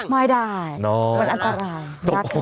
ไม่ได้มันอันตรายนะคะ